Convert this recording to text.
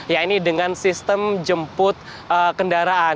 ya ini dengan sistem jemput kendaraan